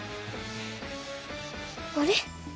あれ？